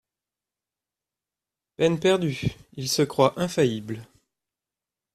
Peine perdue ! Il se croit infaillible.